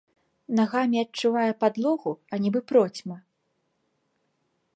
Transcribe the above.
Нагамі адчувае падлогу, а нібы процьма.